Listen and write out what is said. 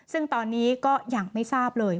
ซึ่งตอนนี้ก็ยังไม่ทราบเลย